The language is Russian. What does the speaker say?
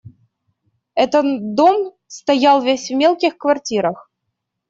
Этот дом стоял весь в мелких квартирах.